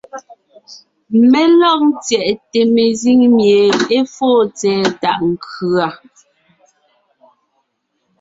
Mé lɔg ńtyɛʼte mezíŋ mie é fóo tsɛ̀ɛ tàʼ nkʉ̀a.